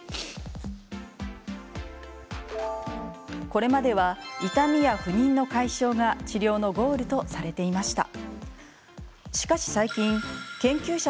これまでは痛みや不妊の解消が治療のゴールとされていました。